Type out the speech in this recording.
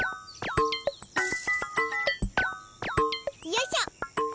よいしょ！